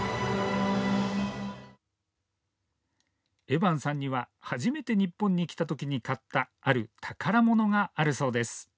エバンさんには初めて日本に来たときに買ったある宝物があるそうです。